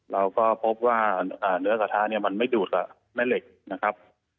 เราก็พบว่าเนื้อกระทะไม่ดูดเหมือนแม่เหล็กนะครับ